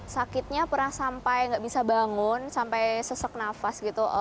sakitnya pernah sampai nggak bisa bangun sampai sesek nafas gitu